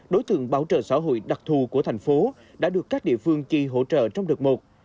đối tượng bảo trợ xã hội đặc thù của thành phố đã được các địa phương chi hỗ trợ trong đợt một